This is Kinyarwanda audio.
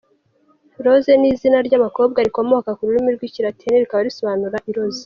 Rose ni izina ry’abakobwa rikomoka ku rurimi rw’Ikilatini rikaba risobanura “Iroza”.